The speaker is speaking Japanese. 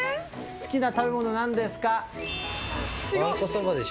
好きな食べ物なんですか？